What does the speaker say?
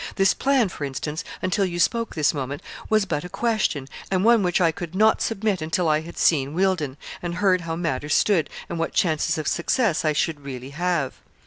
This plan, for instance, until you spoke this moment, was but a question, and one which I could not submit until I had seen Wealdon, and heard how matters stood, and what chances of success I should really have.